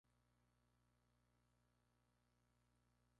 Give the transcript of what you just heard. Y ha trabajado en conjunto con botánicos del Royal Botanic Gardens, Kew.